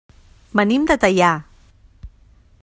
Venim de Teià.